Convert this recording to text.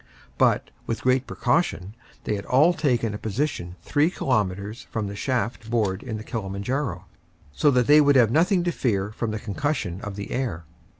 But, with great precaution, they had all taken a position three kilometres from the shaft bored in the Kilimanjaro, so that they would have nothing to fear from the concussion of the air.